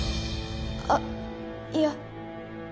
あっいや。